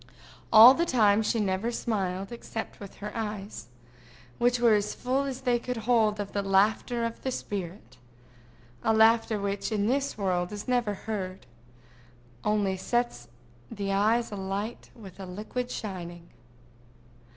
All the time she never smiled, except with her eyes, which were as full as they could hold of the laughter of the spirit—a laughter which in this world is never heard, only sets the eyes alight with a liquid shining.